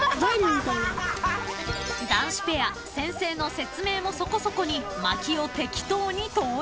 ［男子ペア先生の説明もそこそこにまきを］